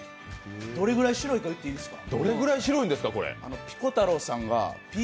どれくらい白いか言っていいですか？